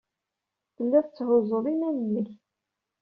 Tellid tetthuzzud iman-nnek.